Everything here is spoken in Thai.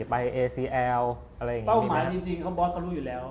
เป้าหมายจริงบอสเขารู้อยู่แล้ว